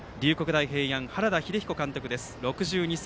大平安原田英彦監督です、６２歳。